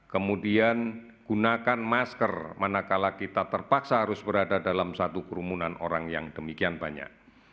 kemudian gunakan masker manakala kita terpaksa harus berada dalam satu kerumunan orang yang demikian banyak